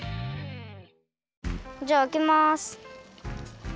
じゃああけます。